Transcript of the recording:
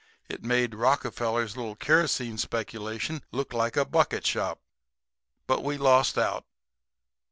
It made Rockefeller's little kerosene speculation look like a bucket shop. But we lost out."